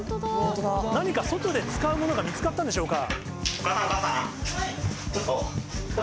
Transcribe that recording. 何か外で使う物が見つかったんでしょうか。